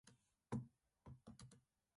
五割は資源ゴミ、主に紙類